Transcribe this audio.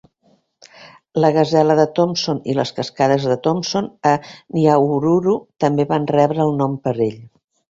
La gasela de Thomson i les cascades de Thomson, a Nyahururu, també van rebre el nom per ell.